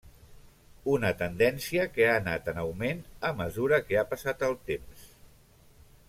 Una tendència que ha anat en augment, a mesura que ha passat el temps.